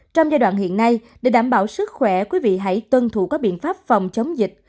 trong giai đoạn hiện nay để đảm bảo sức khỏe quý vị hãy tuân thủ các biện pháp phòng chống dịch